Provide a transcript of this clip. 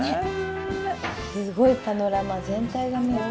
すごいパノラマ全体が見れて。